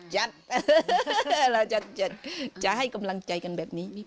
เราจะให้กำลังใจกันแบบนี้